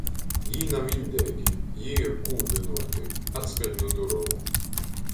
"Jī nav iņdeigi, jī ir kūdynōti," atskaņ nu durovu.